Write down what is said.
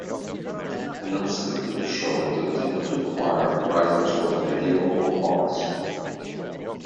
An unscripted show that did not require writers was ideal for Fox.